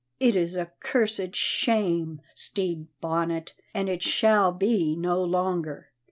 It is a cursed shame, Stede Bonnet, and it shall be no longer.